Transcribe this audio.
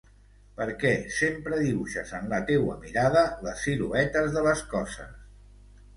Perquè sempre dibuixes en la teua mirada les siluetes de les coses.